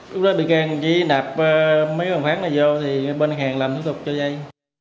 lúc đó bị găng chỉ đạp mấy đồng phán này vô thì bên hàng làm thủ tục cho dây